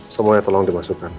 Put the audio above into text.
semuanya tolong dimasukkan